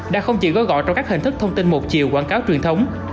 đã không chỉ gói gọn trong các hình thức thông tin một chiều quảng cáo truyền thống